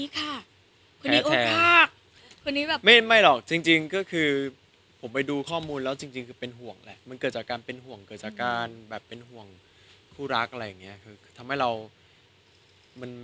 เกิดการอาจิมระอาหารได้กลงอะไรอย่างนี้